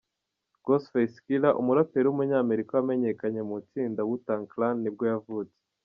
Ghostface Killah, umuraperi w’umunyamerika wamenyekanye mu itsinda rya Wu Tang Clan nibwo yavutse.